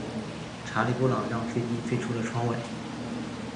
查理布朗让飞机飞出了窗外。